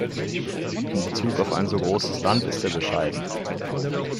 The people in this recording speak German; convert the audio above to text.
In Bezug auf ein so großes Land ist er bescheiden.